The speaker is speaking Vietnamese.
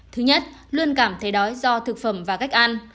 thứ nhất luôn cảm thấy đói do thực phẩm và cách ăn